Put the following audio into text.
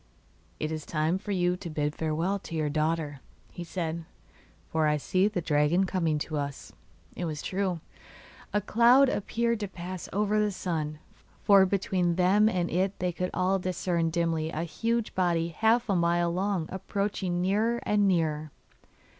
'It is time for you to bid farewell to your daughter,' said he; 'for I see the dragon coming to us.' It was true; a cloud appeared to pass over the sun, for between them and it they could all discern dimly a huge body half a mile long approaching nearer and nearer.